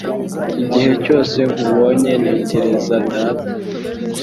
Igihe cyose nkubonye, ntekereza data.